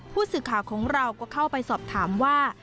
ผู้สื่อข่าวของเราก็เข้าไปสอบถามว่า